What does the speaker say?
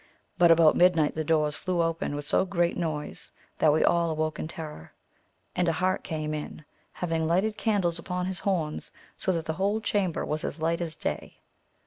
But about midnight the doors flew open with so great noise that we all awoke in terror, and a hart came in, having lighted candles upon his horns, so that the whole chamber was as light as day.